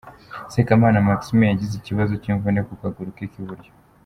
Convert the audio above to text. Sekamana Maxime yagize ikibazo cy'imvune ku kaguru ke k'iburyo.